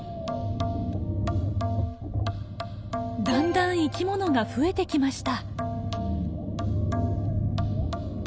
だんだん生き物が増えてきました。